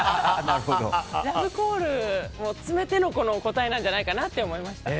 ラブコールも含めての答えなんじゃないかなと思いました。